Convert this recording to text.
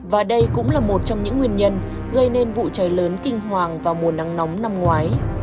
và đây cũng là một trong những nguyên nhân gây nên vụ cháy lớn kinh hoàng vào mùa nắng nóng năm ngoái